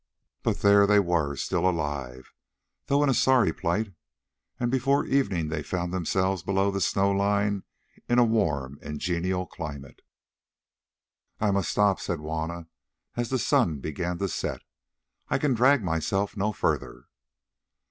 But there they were still alive, though in a sorry plight, and before evening they found themselves below the snow line in a warm and genial climate. "I must stop," said Juanna as the sun began to set; "I can drag myself no further."